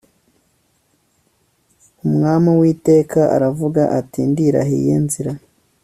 umwami uwiteka aravuga ati ndirahiye nzira